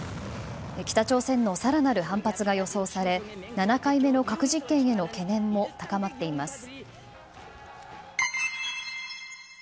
北朝鮮の更なる反発が予想され７回目の核実験への懸念も高まっています。